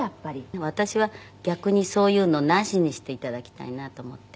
「でも私は逆にそういうのなしにして頂きたいなと思って時々」